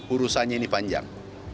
urusannya ini panjang